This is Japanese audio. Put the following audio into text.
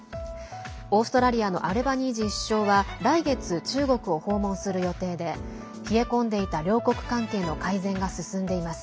オーストラリアのアルバニージー首相は来月中国を訪問する予定で冷え込んでいた両国関係の改善が進んでいます。